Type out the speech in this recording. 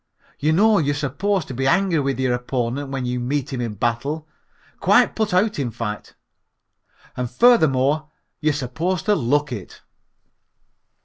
Y'know you're supposed to be angry with your opponent when you meet him in battle, quite put out in fact. And furthermore you're supposed to look it."